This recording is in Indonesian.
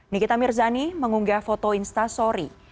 nikita mirzani mengunggah foto insta sorry